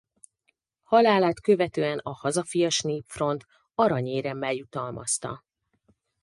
Halálát követően a Hazafias Népfront aranyéremmel jutalmazta.